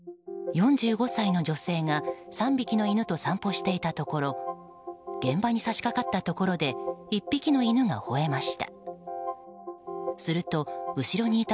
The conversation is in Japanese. ４５歳の女性が３匹の犬と散歩していたところ現場に差し掛かったところで１匹の犬が吠えました。